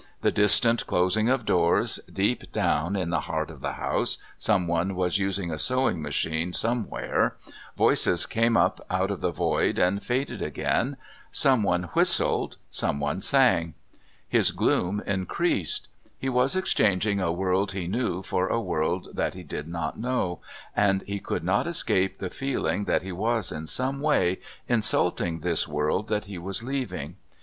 The distant closing of doors, deep down in the heart of the house someone was using a sewing machine somewhere, voices came up out of the void and faded again, someone whistled, someone sang. His gloom increased. He was exchanging a world he knew for a world that he did not know, and he could not escape the feeling that he was, in some way, insulting this world that he was leaving.